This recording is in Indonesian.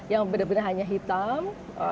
yang benar benar hanya hitam